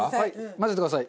混ぜてください。